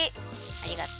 ありがとう。